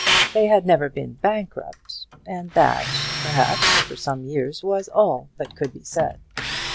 They had never been bankrupt, and that, perhaps, for some years was all that could be said.